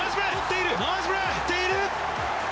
とっている！